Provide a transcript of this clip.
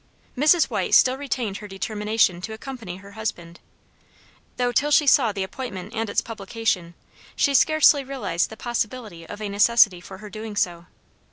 Mrs. White still retained her determination to accompany her husband, though till she saw the appointment and its publication, she scarcely realized the possibility of a necessity for her doing so.